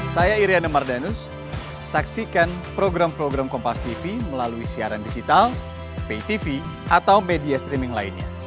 saya iryane mardanus saksikan program program kompastv melalui siaran digital paytv atau media streaming lainnya